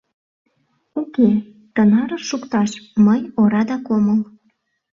Уке, тынарыш шукташ мый орадак омыл.